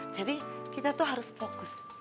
jadi kita tuh harus fokus